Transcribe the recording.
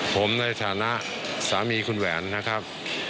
ผมในฐานะสามีคุณแหวนนะครับ